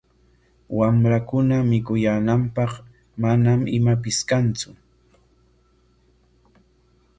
Wamrankuna mikuyaananpaq manam imapis kantsu.